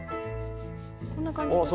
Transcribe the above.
こんな感じですか？